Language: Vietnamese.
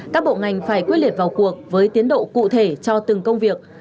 các bộ ngành phải quyết liệt vào cuộc với tiến độ cụ thể cho từng công việc